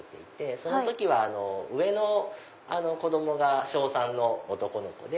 その時は上の子供が小３の男の子で。